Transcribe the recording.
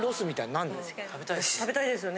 食べたいですね。